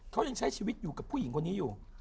เขายังใช้ชีวิตอยู่กับผู้หญิงคนนี้อยู่